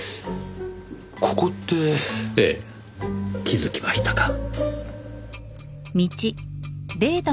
ここって。ええ気づきましたか。